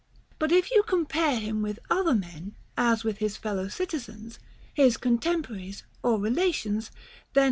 But if you compare him with other men, as with his fellow citizens, his contemporaries, or relations, then vice, * II.